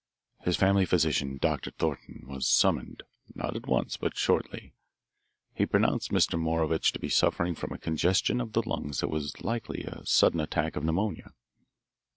His family physician, Doctor Thornton, was summoned, not at once, but shortly. He pronounced Mr. Morowitch to be suffering from a congestion of the lungs that was very like a sudden attack of pneumonia.